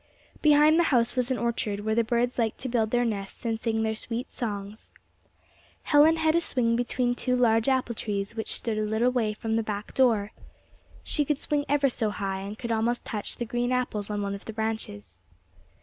Behind the house was an orchard, where the birds liked to build their nests and sing their sweet songs. Helen had a swing between two large apple trees which stood a little way from the back door. She could swing ever so high, and could almost touch the green apples on one of the branches.